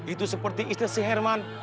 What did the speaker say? itu seperti istri si herman